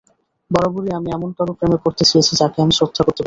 বরাবরই আমি এমন কারও প্রেমে পড়তে চেয়েছি, যাকে আমি শ্রদ্ধা করতে পারব।